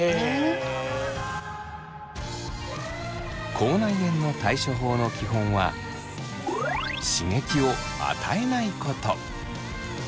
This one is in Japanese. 口内炎の対処法の基本は刺激を与えないこと。